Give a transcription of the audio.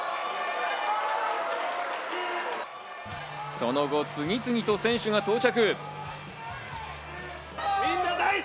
その後、次々と選手が到着。